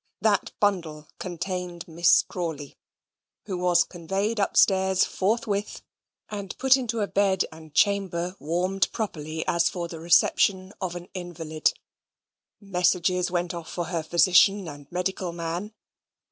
That bundle contained Miss Crawley, who was conveyed upstairs forthwith, and put into a bed and chamber warmed properly as for the reception of an invalid. Messengers went off for her physician and medical man.